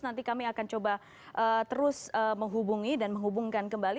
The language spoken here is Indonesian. nanti kami akan coba terus menghubungi dan menghubungkan kembali